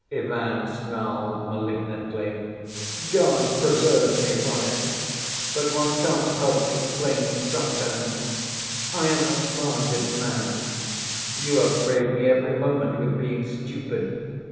Ivan snarled malignantly. "God preserve me from it, but one can't help complaining sometimes. I am a slandered man. You upbraid me every moment with being stupid.